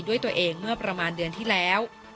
ด้วยตัวเองเมื่อประมาณเดือนที่แล้ว